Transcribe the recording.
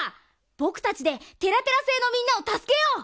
ぼくたちでテラテラせいのみんなをたすけよう！